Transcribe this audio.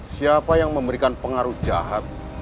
siapa yang memberikan pengaruh jahat